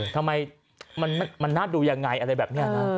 ทำไมมันน่าดูยังไงอะไรแบบนี้นะ